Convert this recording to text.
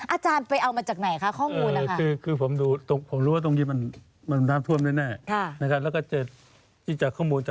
อาจารย์ไปเอามาจากไหนคะข้อมูลอะไร